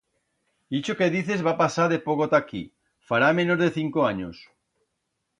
Ixo que dices va pasar de poco ta aquí, fará menos de cinco anyos.